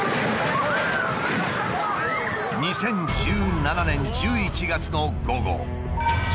２０１７年１１月の午後。